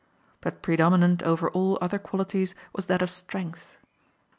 But predominant over all other qualities was that of strength.